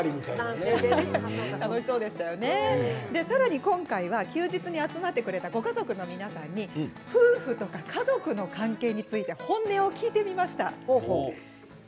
さらに今回は休日に集まっくれたご家族の皆さんに夫婦や家族の関係について本音を聞いてみました。